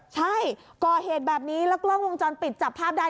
ใช่ก่อเหตุแบบนี้แล้วกล้องวงจรปิดจับภาพได้